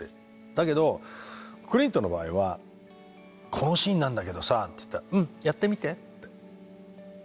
だけどクリントの場合は「このシーンなんだけどさ」って言ったら「うんやってみて」って。うん。